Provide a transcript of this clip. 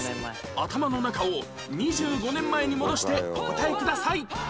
頭の中を２５年前に戻してお答えください